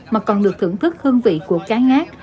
mà còn được thưởng thức hương vị của cá ngát